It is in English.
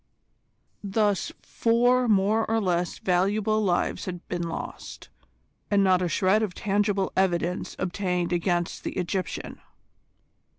Thus four more or less valuable lives had been lost, and not a shred of tangible evidence obtained against the Egyptian.